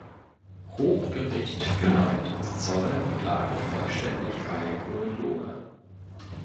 Hochgericht, Geleit und Zoll lagen vollständig bei Hohenlohe.